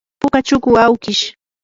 puka chuku awkish.